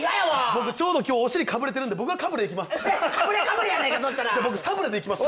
僕、ちょうどお尻かぶれてるんでかぶれでいきます。